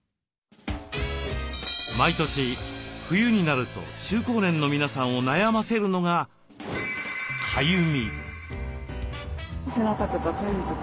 毎年冬になると中高年の皆さんを悩ませるのがかゆみ。